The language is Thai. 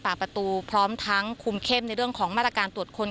ประตูพร้อมทั้งคุมเข้มในเรื่องของมาตรการตรวจค้น